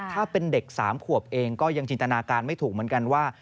ถ้าเป็นเด็ก๓ขวบเองก็ยังจินตนาการไม่ถูกเหมือนกันว่า